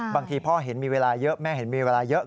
บางทีพ่อเห็นมีเวลาเยอะแม่เห็นมีเวลาเยอะ